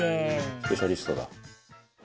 「スペシャリストだ」